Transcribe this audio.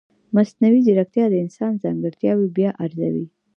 مصنوعي ځیرکتیا د انسان ځانګړتیاوې بیا ارزوي.